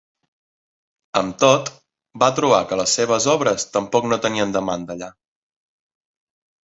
Amb tot, va trobar que les seves obres tampoc no tenien demanda allà.